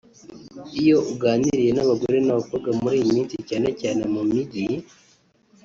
Iyo uganiriye n’abagore n’abakobwa muri iyi minsi cyane cyane mu mijyi